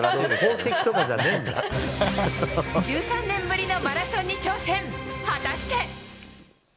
１３年ぶりのマラソンに挑戦果たして？